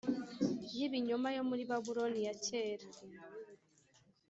y’ibinyoma yo muri babuloni ya kera.